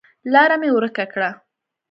لاره مې ورکه کړه